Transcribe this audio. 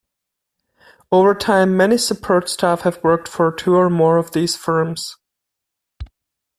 Over time many support staff have worked for two or more of these firms.